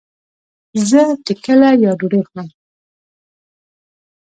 زه ټکله يا ډوډي خورم